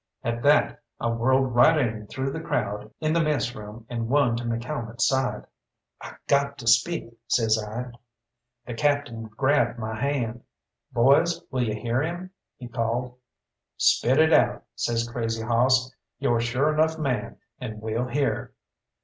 At that I whirled right in through the crowd in the messroom and won to McCalmont's side. "I got to speak," says I. The Captain grabbed my hand. "Boys, will you hear him?" he called. "Spit it out!" says Crazy Hoss. "Yo're a sure enough man, and we'll hear."